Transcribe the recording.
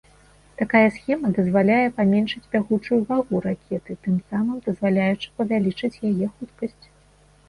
Такая схема дазваляе паменшыць бягучую вагу ракеты, тым самым дазваляючы павялічыць яе хуткасць.